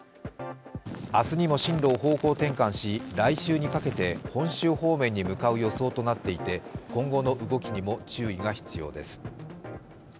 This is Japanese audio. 明日にも進路を方向転換し、来週にかけて本州方面に向かう予想となっていて今後の動きにも注意が必要です。